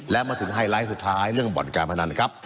และมาถึงไฮไลท์สุดท้ายเรื่องบ่อนการพนันครับ